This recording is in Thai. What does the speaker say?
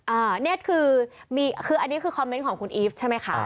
อ่านี่คือคอมเมนต์ของคุณอีฟใช่ไหมคะ